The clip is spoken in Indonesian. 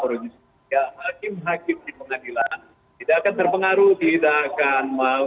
harusnya makin makin di pengadilan tidak akan terpengaruh tidak akan mau